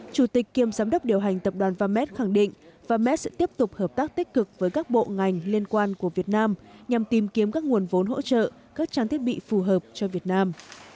chủ tịch kiêm giám đốc điều hành tập đoàn vmed khẳng định vams sẽ tiếp tục hợp tác tích cực với các bộ ngành liên quan của việt nam nhằm tìm kiếm các nguồn vốn hỗ trợ các trang thiết bị phù hợp cho việt nam